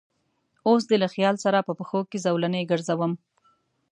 اوس دې له خیال سره په پښو کې زولنې ګرځوم